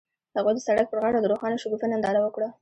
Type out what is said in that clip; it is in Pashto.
هغوی د سړک پر غاړه د روښانه شګوفه ننداره وکړه.